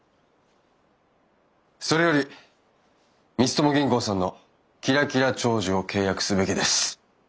それより光友銀行さんの「キラキラ長寿」を契約すべきです。